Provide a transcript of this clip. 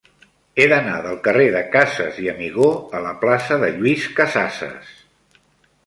He d'anar del carrer de Casas i Amigó a la plaça de Lluís Casassas.